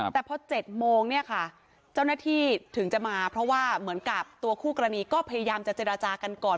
แต่พอ๗โมงเนี่ยค่ะเจ้าหน้าที่ถึงจะมาเพราะว่าเหมือนกับตัวคู่กรณีก็พยายามจะเจรจากันก่อน